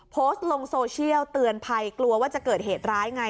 โพสต์ลงโซเชียลเตือนภัยกลัวว่าจะเกิดเหตุร้ายไง